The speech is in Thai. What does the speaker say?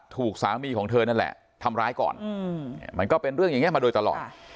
ถูกสามีของเธอนั่นแหละทำร้ายก่อนมันก็เป็นเรื่องอย่างนี้มาโดยตลอด